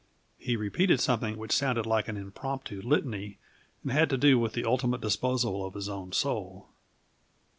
He repeated something which sounded like an impromptu litany and had to do with the ultimate disposal of his own soul.